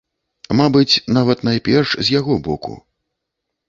Мабыць, нават найперш з яго боку.